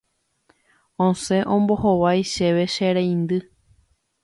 Osẽ ombohovái chéve che reindy